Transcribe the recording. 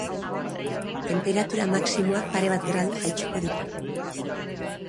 Tenperatura maximoak pare bat gradu jaitsiko dira.